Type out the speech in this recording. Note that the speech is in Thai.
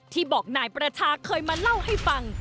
ที่บอกนายประชาเคยมาเล่าให้ฟัง